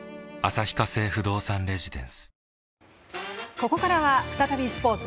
ここからは再びスポーツ。